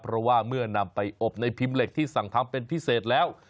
เพราะว่าเมื่อนำไปอบในพิมพ์เหล็กที่สั่งทำเป็นพิเศษแล้ว